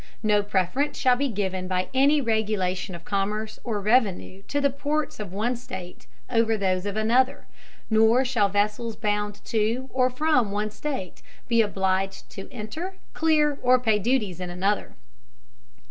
No Preference shall be given by any Regulation of Commerce or Revenue to the Ports of one State over those of another: nor shall Vessels bound to, or from, one State, be obliged to enter, clear, or pay Duties in another.